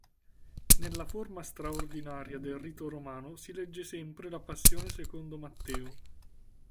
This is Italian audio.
Nella forma straordinaria del rito romano si legge sempre la Passione secondo Matteo.